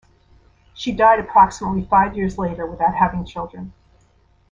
She died approximately five years later without having children.